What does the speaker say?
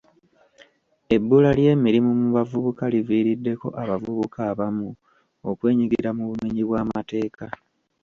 Ebbula ly’emirimu mu bavubuka liviriddeko abavubuka abamu okwenyigira mu bumenyi bw’amateeka.